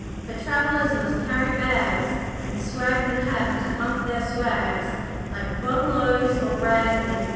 For travellers must carry bags, And swagmen have to hump their swags Like bottle ohs or ragmen.